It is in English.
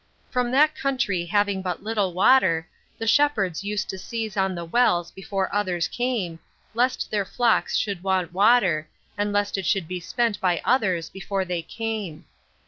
2. For that country having but little water, the shepherds used to seize on the wells before others came, lest their flocks should want water, and lest it should be spent by others before they came.